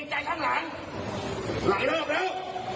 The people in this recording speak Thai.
จะเป็นคนใส่เสื้อคล้าย